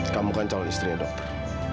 kamu kan calon istrinya dokter